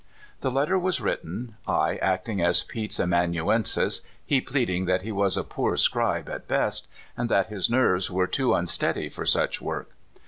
The letter was written, I acting as Pete's aman uensis, he pleading that he was a poor scribe at best, and that his nerves were too. unsteady for such work.